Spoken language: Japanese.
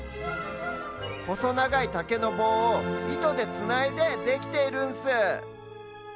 ほそながいたけのぼうをいとでつないでできているんス。